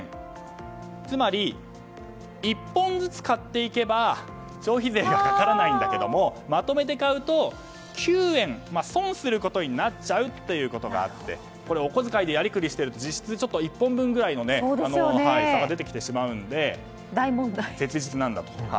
つまり、１本ずつ買っていけば消費税がかからないんだけどもまとめて買うと９円損することになっちゃうということがあってお小遣いでやりくりしていると実質１本分くらいの差が出てきてしまうので切実なんだと。